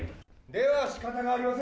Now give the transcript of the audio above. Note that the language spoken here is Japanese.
ではしかたがありません。